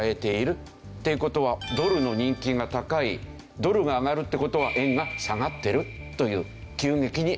っていう事はドルの人気が高いドルが上がるって事は円が下がってるという。